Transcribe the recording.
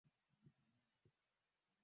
Ninaweza kunena vitu vingi